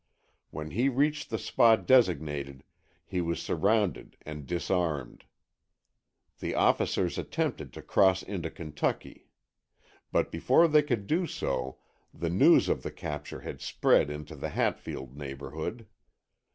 When he reached the spot designated, he was surrounded and disarmed. The officers attempted to cross into Kentucky. But before they could do so, the news of the capture had spread into the Hatfield neighborhood.